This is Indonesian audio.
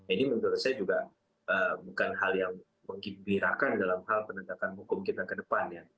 ini menurut saya juga bukan hal yang menggembirakan dalam hal penegakan hukum kita ke depannya